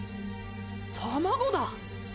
卵だ！